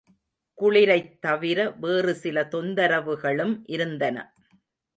குளிரைத் தவிர வேறு சில தொந்தரவுகளும் இருந்தன.